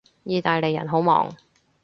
意大利人好忙